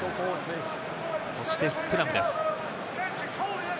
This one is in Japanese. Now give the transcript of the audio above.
そしてスクラムです。